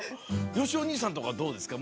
よしお兄さんとこはどうですか？